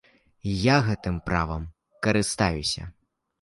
І я гэтым правам карыстаюся.